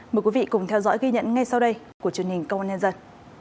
mời quý vị cùng theo dõi ghi nhận ngay sau đây của truyền hình công an nhân dân